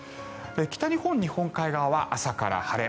北日本、日本海側は朝から晴れ。